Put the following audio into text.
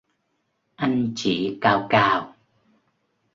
Anh chị cào cào